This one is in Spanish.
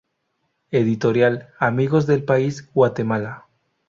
Editorial: Amigos del País, Guatemala.